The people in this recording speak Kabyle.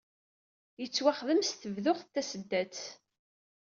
Yettwaxdem s tebduɣt tasdadt.